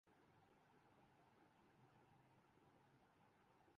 کسی کی نیک نامی کوئی اثاثہ ہے۔